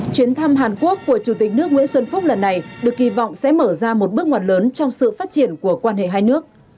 chuyến thăm hàn quốc của chủ tịch nước nguyễn xuân phúc lần này được kỳ vọng sẽ mở ra một bước ngoặt lớn trong sự phát triển của quan hệ hai nước